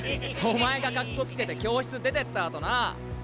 お前がかっこつけて教室出てったあとな。